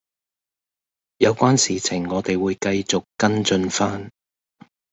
有關事情我哋會繼續跟進番